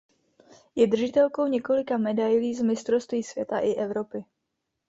Je držitelkou několika medailí z mistrovství světa i Evropy.